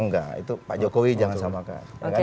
enggak itu pak jokowi jangan sama kak